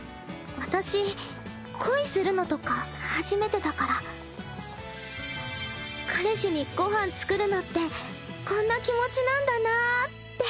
私恋するのとか初めてだから彼氏にご飯作るのってこんな気持ちなんだなぁって。